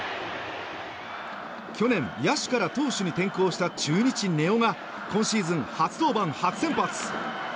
去年、野手から投手に転向した中日、根尾が今シーズン初登板、初先発。